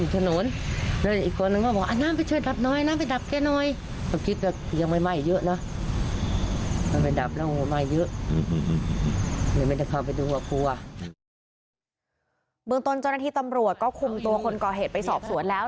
ตรงนั้นเป็นพวกบริธีตำรวจก็คุมตัวคนก่อเหตุไปสอบสวดแล้ว